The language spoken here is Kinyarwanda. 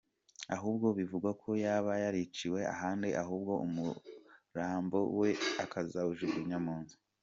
Ahubwo bivugwa ko yaba yariciwe ahandi ahubwo umurambo we ukajugunywa mu nzu.